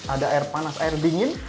ada air panas air dingin